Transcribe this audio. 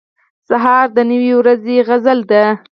سهار د نوې ورځې سندره ده.